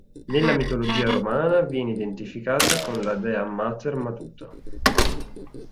Nella mitologia romana viene identificata con la dea Mater Matuta.